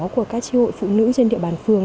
của các tri hội phụ nữ trên địa bàn phường